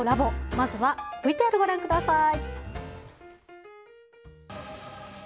まずはＶＴＲ、ご覧ください。